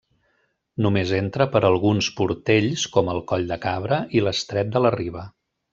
Només entra per alguns portells com el coll de Cabra i l'estret de la Riba.